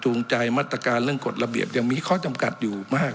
ใจมาตรการเรื่องกฎระเบียบยังมีข้อจำกัดอยู่มาก